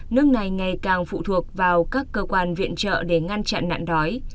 nước này ngày càng phụ thuộc vào các cơ quan viện trợ để ngăn chặn nạn đói